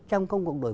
trong công cộng đội